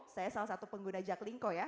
saya salah satu pengguna jaklingko ya